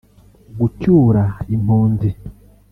Gucyura impunzi